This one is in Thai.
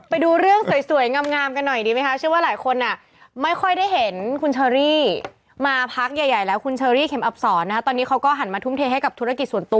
ไปดูเรื่องสวยงามกันหน่อยสิมั้ยคะ